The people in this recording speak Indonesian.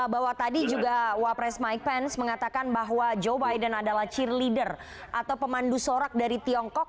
bahwa tadi juga wapres mike pence mengatakan bahwa joe biden adalah cheer leader atau pemandu sorak dari tiongkok